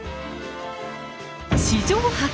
史上初！